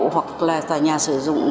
hoặc là tòa nhà sử dụng